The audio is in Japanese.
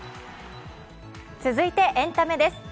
続いてエンタメです。